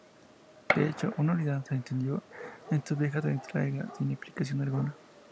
De hecho, una unidad se incendió en su viaje de entrega, sin explicación alguna.